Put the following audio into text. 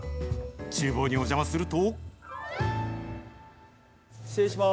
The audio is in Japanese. ちゅう房にお邪魔すると。